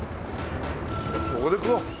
そこで食おう。